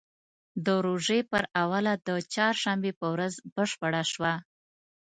د روژې پر اوله د چهارشنبې په ورځ بشپړه شوه.